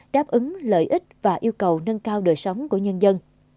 đáp ứng lợi ích và yêu cầu nâng cao đời sống của nhân dân